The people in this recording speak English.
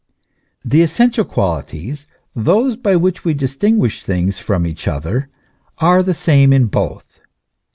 The essen tial qualities, those by which we distinguish things from each other, are the same in both.